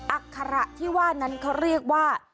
อัคระที่ว่านั้นเขาเรียกว่า